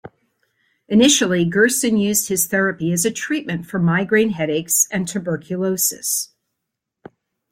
Initially, Gerson used his therapy as a treatment for migraine headaches and tuberculosis.